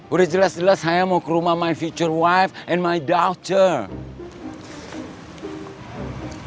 udah jelas jelas saya mau ke rumah future wife and my daughter